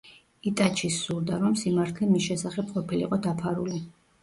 იტაჩის სურდა, რომ სიმართლე მის შესახებ ყოფილიყო დაფარული.